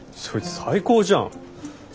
そいつ最高じゃん。